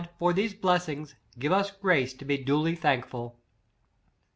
for these bles sings give us grace to be duly thankful.